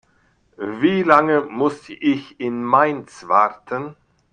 Wie lange muss ich in Mainz warten?